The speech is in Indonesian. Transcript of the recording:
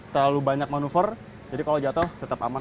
terlalu banyak manuver jadi kalau jatuh tetap aman